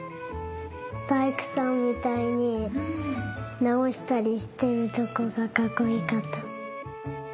だいくさんみたいになおしたりしてるとこがかっこいかった。